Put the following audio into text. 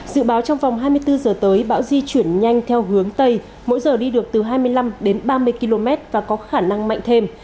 dự báo trong vòng hai mươi bốn giờ tới bão di chuyển nhanh theo hướng tây mỗi giờ đi được từ hai mươi năm đến ba mươi km và có khả năng mạnh thêm